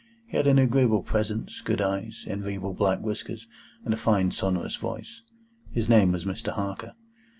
He had an agreeable presence, good eyes, enviable black whiskers, and a fine sonorous voice. His name was Mr. Harker.